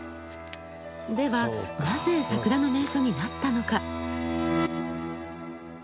では、なぜ桜の名所になったのか。